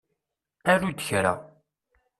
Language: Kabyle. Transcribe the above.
Aru-d kra!